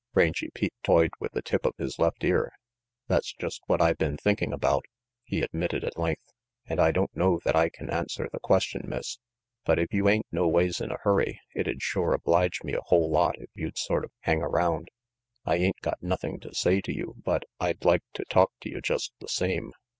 Rangy Pete toyed with the tip of his left ear. "That's just what I been thinking about," he admitted at length, "and I don't know that I can answer the question, Miss, but if you ain't noways in a hurry, it'd shore oblige me a whole lot if you'd sort of hang around. I ain't got nothing to say to you but I'd like to talk to you just the same."